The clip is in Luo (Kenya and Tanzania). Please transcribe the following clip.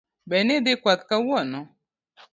Be nidhi kwath kawuono?